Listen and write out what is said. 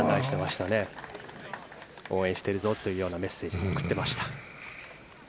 応援しているぞというメッセージを送っていました。